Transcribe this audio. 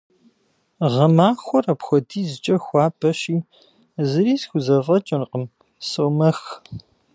Гъэмахуэр апхуэдизкӀэ хуабэщи, зыри схузэфӀэкӀыркъым, сомэх.